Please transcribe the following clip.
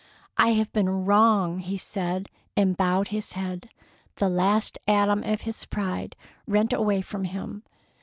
"I have been wrong!" he said, and bowed his head, the last atom of his pride rent away from him.